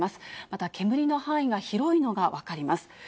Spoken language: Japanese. また、煙の範囲が広いのが分かります。